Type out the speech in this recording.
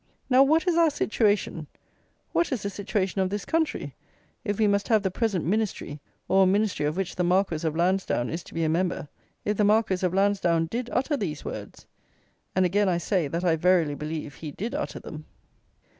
Now, what is our situation; what is the situation of this country, if we must have the present Ministry, or a Ministry of which the Marquis of Lansdowne is to be a Member, if the Marquis of Lansdowne did utter these words? And again, I say, that I verily believe he did utter them.